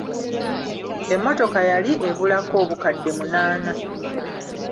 Emmotoka yali ebulako obukadde munaana.